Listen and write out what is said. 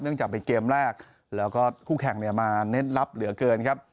จากเป็นเกมแรกแล้วก็คู่แข่งเนี่ยมาเน้นลับเหลือเกินครับ